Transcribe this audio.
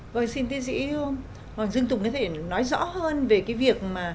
vâng xin tiến sĩ hoàng dương tùng có thể nói rõ hơn về cái việc mà